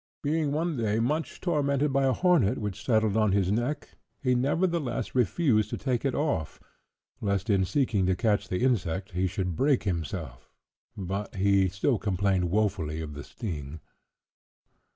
Being one day much tormented by a hornet which settled on his neck, he nevertheless refused to take it off, lest in seeking to catch the insect he should break himself; but he still complained woefully of the sting.